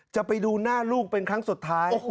จะไปดูหน้าลูกเป็นครั้งสุดท้าย